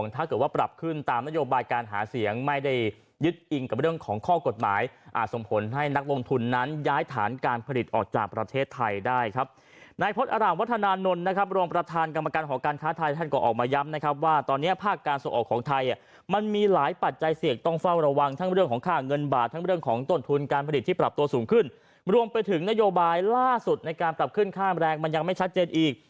ตัวสูงขึ้นรวมไปถึงนโยบายล่าสุดในการปรับขึ้นค่าแรงมันยังไม่ชัดเจนอีก